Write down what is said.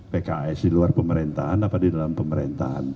pks di luar pemerintahan apa di dalam pemerintahan